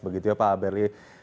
begitu ya pak abelie